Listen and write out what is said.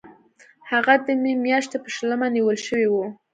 هغه د می میاشتې په شلمه نیول شوی و.